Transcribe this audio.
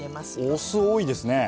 お酢多いですねえ。